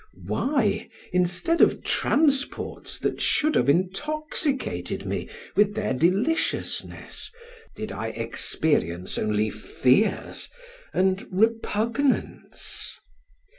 Why, instead of transports that should have intoxicated me with their deliciousness, did I experience only fears and repugnance?